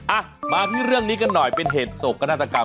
อ่ะมาที่เรื่องนี้กันหน่อยเป็นเหตุโศกนาฏกรรม